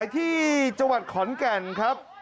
ที่จังหวัดขอนแก่นครับ